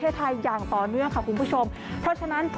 ส่วนในระยะนี้หลายพื้นที่ยังคงพบเจอฝนตกหนักได้ค่ะ